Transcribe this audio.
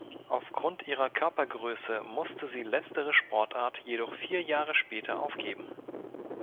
Aufgrund ihrer Körpergröße musste sie letztere Sportart jedoch vier Jahre später aufgeben.